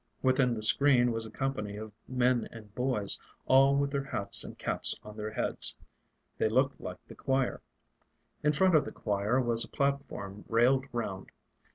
Within the screen was a company of men and boys, all with their hats and caps on their heads; they looked like the choir. In front of the choir was a platform railed round.